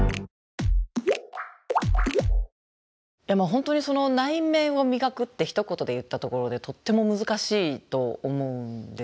本当に内面を磨くってひと言で言ったところでとっても難しいと思うんですよ。